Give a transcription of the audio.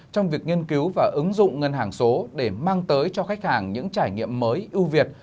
trong việc nghiên cứu và ứng dụng ngân hàng số để mang tới cho khách hàng những trải nghiệm mới ưu việt